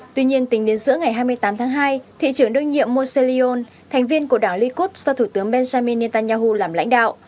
tuy nhiên tính đến giữa ngày hai mươi tám tháng hai thị trưởng đơn nhiệm moseleon thành viên của đảng likud do thủ tướng benjamin netanyahu làm lãnh đạo